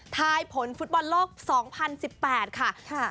ทายผลฟุตบอลโลก๒๐๑๘ค่ะ